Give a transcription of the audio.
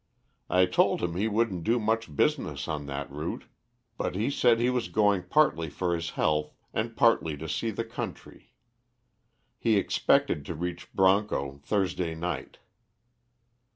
I told him he wouldn't do much business on that route, but he said he was going partly for his health, and partly to see the country. He expected to reach Broncho Thursday night."